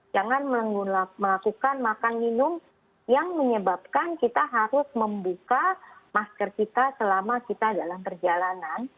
jangan melakukan makan minum yang menyebabkan kita harus membuka masker kita selama kita dalam perjalanan